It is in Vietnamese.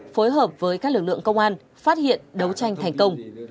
phối hợp với các lực lượng công an phát hiện đấu tranh thành công